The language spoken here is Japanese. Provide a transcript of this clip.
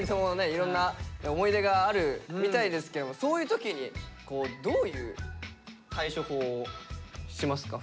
いろんな思い出があるみたいですけどもそういう時にどういう対処法をしますか？